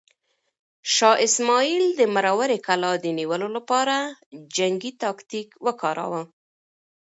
شاه اسماعیل د مروې کلا د نیولو لپاره جنګي تاکتیک وکاراوه.